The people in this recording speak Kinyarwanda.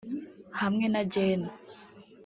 hamwe na Gen